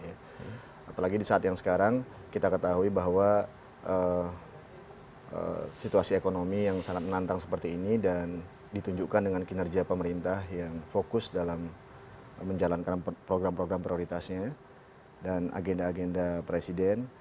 apalagi di saat yang sekarang kita ketahui bahwa situasi ekonomi yang sangat menantang seperti ini dan ditunjukkan dengan kinerja pemerintah yang fokus dalam menjalankan program program prioritasnya dan agenda agenda presiden